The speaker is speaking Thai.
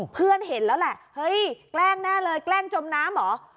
เพื่อนเห็นแล้วแหละเฮ้ยแกล้งแน่เลยแกล้งจมน้ำเหรอ